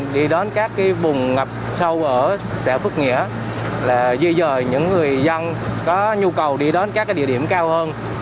đi đón các bùng ngập sâu ở xã phước nghĩa là duy dời những người dân có nhu cầu đi đón các địa điểm cao hơn